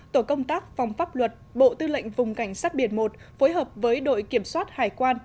tổ công tác phòng pháp luật bộ tư lệnh vùng cảnh sát biển một phối hợp với đội kiểm soát hải quan